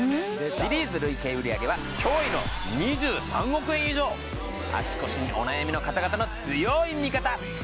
シリーズ累計売上は驚異の２３億円以上足腰にお悩みの方々の強い味方出た！